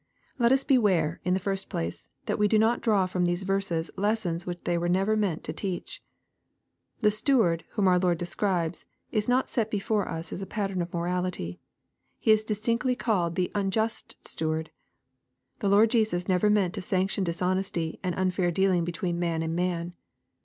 Let us beware, in the first place, that we do not draw from these verses lessons which they were never meant to teach. The steward, whom our Lord describes, is not set be fore us as a pattern of morality. He is distinctly called the " unjust steward." The Lord Jesus never meant to sanction dishonesty, and unfair dealing between man and man.